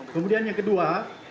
kemudian yang kedua